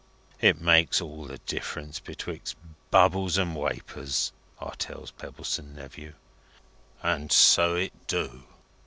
It makes all the difference betwixt bubbles and wapours,' I tells Pebbleson Nephew. And so it do.